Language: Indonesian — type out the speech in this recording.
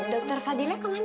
dokter fadhilnya kemana ya